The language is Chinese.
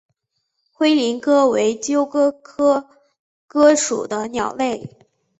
灰林鸽为鸠鸽科鸽属的鸟类。